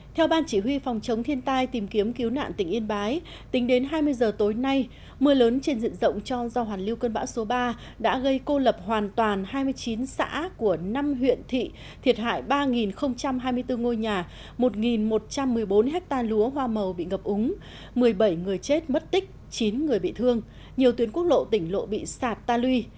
theo ban chỉ huy phòng chống thiên tai tìm kiếm cứu nạn tỉnh yên bái tính đến hai mươi h tối nay mưa lớn trên diện rộng cho do hoàn lưu cơn bão số ba đã gây cô lập hoàn toàn hai mươi chín xã của năm huyện thị thiệt hại ba hai mươi bốn ngôi nhà một một trăm một mươi bốn ha lúa hoa màu bị ngập úng một mươi bảy người chết mất tích chín người bị thương nhiều tuyến quốc lộ tỉnh lộ bị sạt ta lui